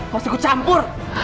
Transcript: mas aku campur